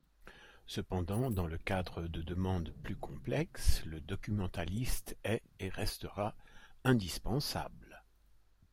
Cependant, dans le cadre de demandes plus complexes, le documentaliste est et restera indispensable.